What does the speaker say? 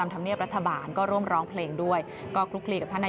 มันไม่นานมาหน่อยนะ